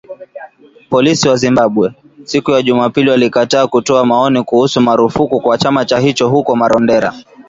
Polisi wa Zimbabwe, siku ya Jumapili walikataa kutoa maoni kuhusu marufuku kwa chama cha hicho huko Marondera